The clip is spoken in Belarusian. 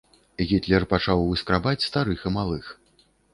Гітлер пачаў выскрабаць старых і малых.